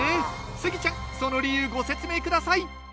スギちゃんその理由ご説明下さい牛方？